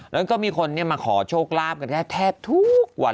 แล้วก็มีคนมาขอโชคลาภกันแทบทุกวัน